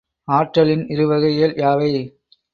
ஆற்றலின் இருவகைகள் யாவை?